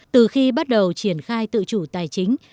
từ khi bắt đầu triển khai tự chủ tài chính